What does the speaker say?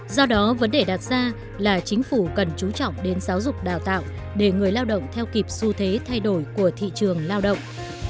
do đó vấn đề đặt ra là chính phủ cần chú trọng đến giáo dục đào tạo để người lao động theo kịp xu thế thay đổi của thị trường lao động